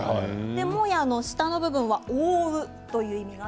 靄もやの下の部分は覆うという意味です。